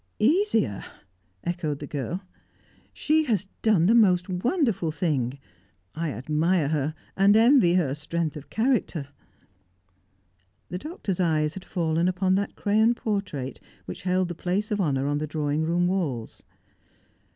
"Easier!" echoed the girl. "She has done the most wonderful thing! I admire her, and envy her strength of character." The Doctor's eyes had fallen upon that crayon portrait which held the place of honour on the drawing room walls.